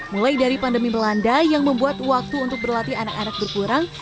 mulai dari pandemi melanda yang membuat waktu untuk berlatih anak anak berkurang